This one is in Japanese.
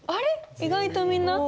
意外とみんな。